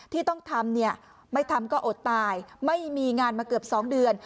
ที่ต้องทำเนี่ยไม่ทำก็อดตายไม่มีงานมาเกือบ๒เดือน